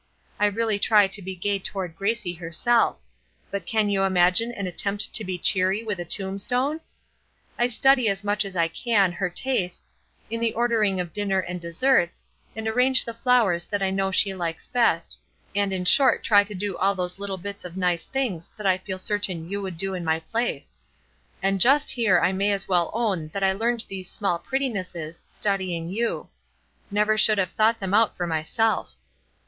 I really try to be gay toward Gracie herself; but can you imagine an attempt to be cheery with a tombstone? I study as much as I can, her tastes, in the ordering of dinner and desserts, and arrange the flowers that I know she likes best, and in short try to do all those little bits of nice things that I feel certain you would do in my place; and just here I may as well own that I learned these small prettinesses, studying you; never should have thought them out for myself.